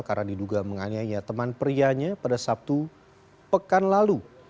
karena diduga menganyai teman prianya pada sabtu pekan lalu